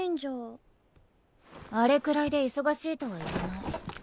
あれくらいで忙しいとは言わない。